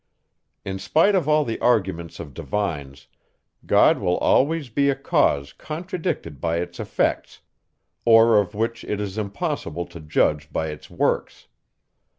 In spite of all the arguments of divines, God will always be a cause contradicted by its effects, or of which it is impossible to judge by its works.